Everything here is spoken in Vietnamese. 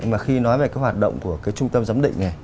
mà khi nói về cái hoạt động của cái trung tâm giám định này